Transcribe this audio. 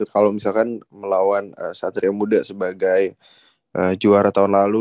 kalau misalkan melawan satria muda sebagai juara tahun lalu